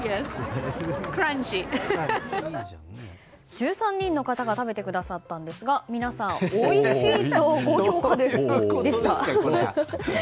１３人の方が食べてくださったんですが皆さん、おいしい！と高評価でした。